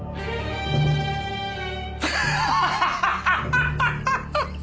ハハハハハハ！